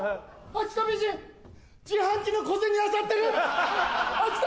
秋田美人自販機の小銭漁ってる。